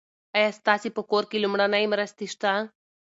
ایا ستاسي په کور کې لومړنۍ مرستې شته؟